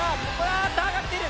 ああっと上がっている。